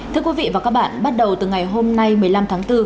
thưa quý vị và các bạn bắt đầu từ ngày hôm nay một mươi năm tháng bốn